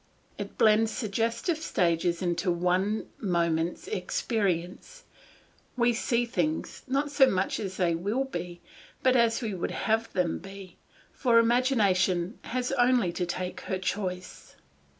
It blends successive stages into one moment's experience; we see things, not so much as they will be, but as we would have them be, for imagination has only to take her choice.